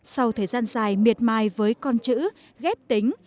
sau thời gian dài miệt mài với con chữ ghép tính